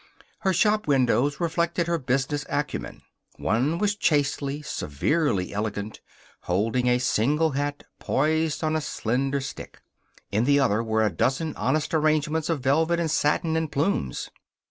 Her shopwindows reflected her business acumen. One was chastely, severely elegant, holding a single hat poised on a slender stick. In the other were a dozen honest arrangements of velvet and satin and plumes.